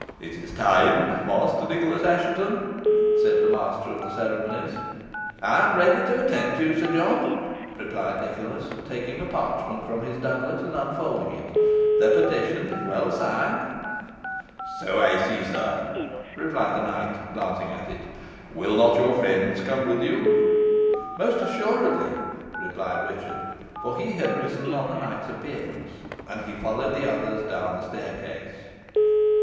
"It is time, Master Nicholas Assheton," said the master of the ceremonies. "I am ready to attend you, Sir John," replied Nicholas, taking a parchment from his doublet, and unfolding it, "the petition is well signed." "So I see, sir," replied the knight, glancing at it. "Will not your friends come with you?" "Most assuredly," replied Richard, who had risen on the knight's appearance. And he followed the others down the staircase.